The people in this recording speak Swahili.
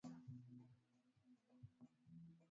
miongoni mwa nchi saba zenye uhuru wa kuridhisha